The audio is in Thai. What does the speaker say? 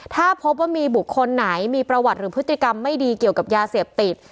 ถ้าพบว่ามีบุคคลไหนมีประวัติหรือพฤติกรรมไม่ดีเกี่ยวกับยาเสพติด